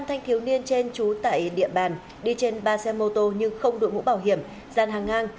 năm thanh thiếu niên trên trú tại địa bàn đi trên ba xe mô tô nhưng không đội mũ bảo hiểm gian hàng ngang